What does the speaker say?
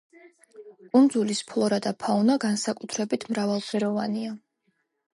კუნძულის ფლორა და ფაუნა განსაკუთრებით მრავალფეროვანია.